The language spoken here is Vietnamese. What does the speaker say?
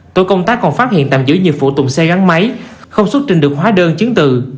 tổ công tác còn phát hiện tạm giữ nhiều phụ tùng xe gắn máy không xuất trình được hóa đơn chứng từ